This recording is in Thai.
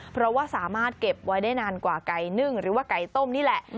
เพราะว่าสามารถเก็บไว้ได้นานกว่าไก่นึ่งหรือว่าไก่ต้มนี่แหละ